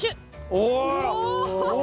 お！